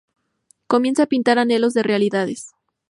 Comienza a pintar anhelos de realidades.